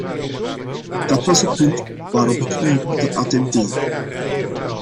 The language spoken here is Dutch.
Dat was het punt waarop ik u wilde attenderen.